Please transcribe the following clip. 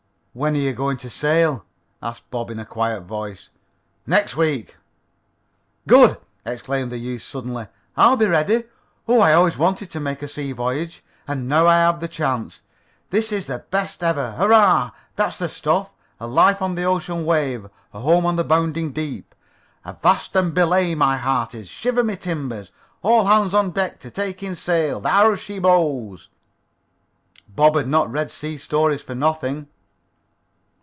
"When are you going to sail?" asked Bob in a quiet voice. "Next week." "Good!" exclaimed the youth suddenly. "I'll be ready. Oh, I always wanted to make a sea voyage, and now I have the chance. This is the best ever! Hurrah! That's the stuff! 'A life on, the ocean wave, a home on the bounding deep!' Avast and belay, my hearties! Shiver my timbers! All hands on deck to take in sail! There she blows!" Bob had not read sea stories for nothing.